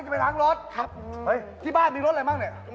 เฮ้ยที่บ้านมีรถอะไรบ้างเนี่ย